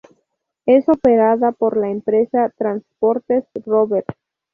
Es operada por la empresa Transportes Rober.